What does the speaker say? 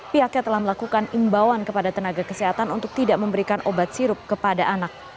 pihaknya telah melakukan imbauan kepada tenaga kesehatan untuk tidak memberikan obat sirup kepada anak